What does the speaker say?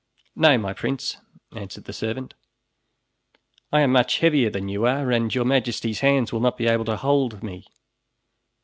"No, my prince," answered the servant, "I am much heavier than you are, and Your Majesty's hands will not be able to hold me.